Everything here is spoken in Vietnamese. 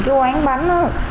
cái quán bánh đó